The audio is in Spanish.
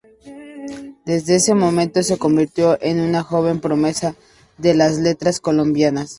Desde ese momento se convirtió en una joven promesa de las letras colombianas.